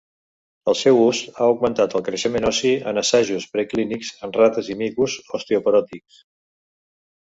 El seu ús ha augmentat el creixement ossi en assajos preclínics en rates i micos osteoporòtics.